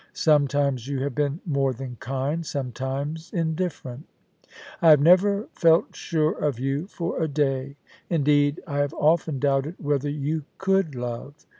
Some times you have been more than kind, sometimes indifferent. I have never felt sure of you for a day — indeed, I have often doubted whether you could love.